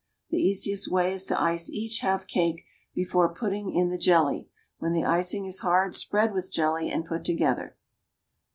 The easiest way is to ice each half cake before putting in the jelly; when the icing is hard spread with jelly, and put together.